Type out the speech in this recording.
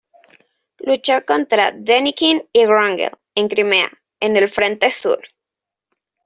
Luchó contra Denikin y Wrangel en Crimea, en el frente sur.